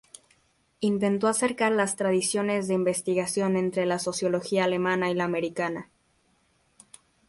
Intentó acercar las tradiciones de investigación entre la sociología alemana y la americana.